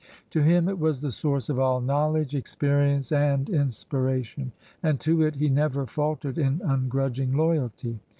To him it was the source of all knowledge, experience, and inspiration, and to it he never fal tered in ungrudging loyalty.